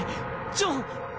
ジョン！